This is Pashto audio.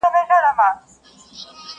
په للو دي هره شپه يم زنگولى!!